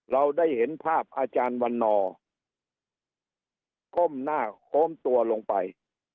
เราได้เห็นภาพอาจารย์วันนอร์ก้มหน้าโค้มตัวลงไป